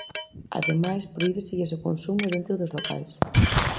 Ademais prohíbeselles o consumo dentro dos locais.